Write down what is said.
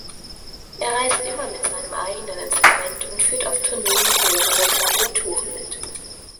Er reist immer mit seinem eigenen Instrument und führt auf Tourneen mehrere Klaviaturen mit.